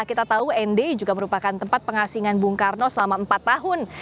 kita tahu nd juga merupakan tempat pengasingan bung karno selama empat tahun